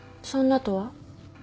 「そんな」とは？